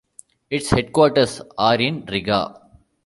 Its headquarters are in Riga.